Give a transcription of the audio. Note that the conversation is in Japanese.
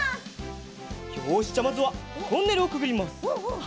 よしじゃあまずはトンネルをくぐります。